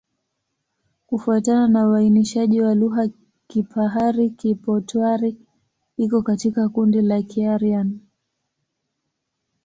Kufuatana na uainishaji wa lugha, Kipahari-Kipotwari iko katika kundi la Kiaryan.